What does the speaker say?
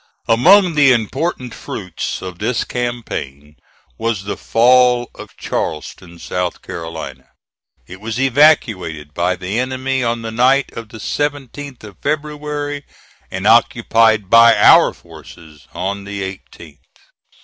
Among the important fruits of this campaign was the fall of Charleston, South Carolina. It was evacuated by the enemy on the night of the 17th of February, and occupied by our forces on the 18th.